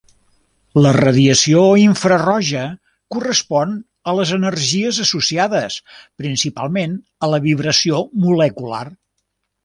La radiació infraroja correspon a les energies associades principalment a la vibració molecular.